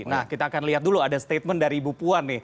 nah kita akan lihat dulu ada statement dari bu puan nih